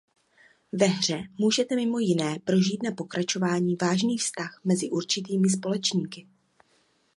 Ve hře můžete mimo jiné prožít na pokračování vážný vztah mezi určitými společníky.